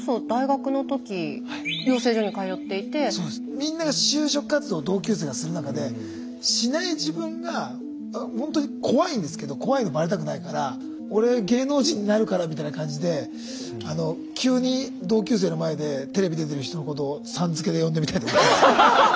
みんなが就職活動同級生がする中でしない自分がほんとに怖いんですけど怖いのバレたくないから俺芸能人になるからみたいな感じで急に同級生の前でテレビ出てる人のことをさん付けで呼んでみたりとか。